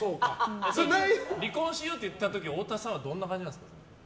離婚しようって言った時太田さんはどんな感じなんですか。